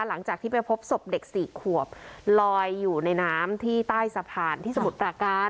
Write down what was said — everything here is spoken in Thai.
หลังจากที่ไปพบศพเด็กสี่ขวบลอยอยู่ในน้ำที่ใต้สะพานที่สมุทรปราการ